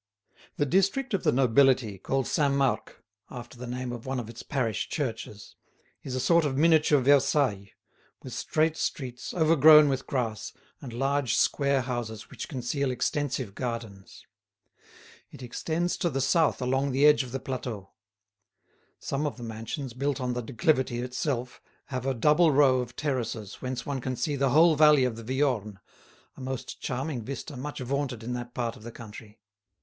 The district of the nobility, called Saint Marc, after the name of one of its parish churches, is a sort of miniature Versailles, with straight streets overgrown with grass, and large square houses which conceal extensive gardens. It extends to the south along the edge of the plateau. Some of the mansions built on the declivity itself have a double row of terraces whence one can see the whole valley of the Viorne, a most charming vista much vaunted in that part of the country.